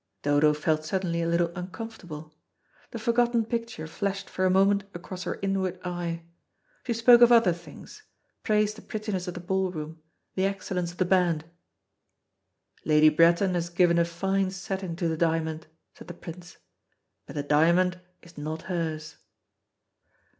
Dodo felt suddenly a little uncomfortable. The forgotten picture flashed for a moment across her inward eye. She spoke of other things: praised the prettiness of the ballroom, the excellence of the band. "Lady Bretton has given a fine setting to the diamond," said the Prince, "but the diamond is not hers."